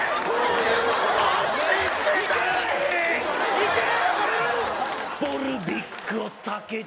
いけ！